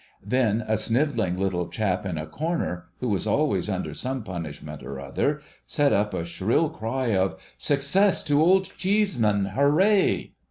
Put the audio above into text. Then a snivelling little chap in a corner, who was always under some punishment or other, set up a shrill cry of ' Success to Old Cheeseman ! Hooray